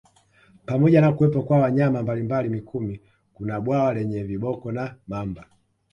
Pamoja na kuwepo kwa wanyama mbalimbali Mikumi kuna bwawa lenye viboko na mamba